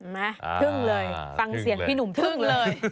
ไหมทึ่งเลยฟังเสียงพี่หนุ่มทึ่งเลย